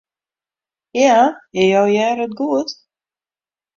Ja, jo hearre it goed.